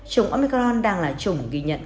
trùng omicron đang là trùng ghi nhận